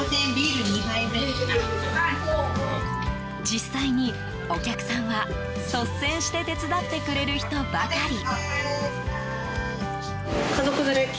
実際に、お客さんは率先して手伝ってくれる人ばかり。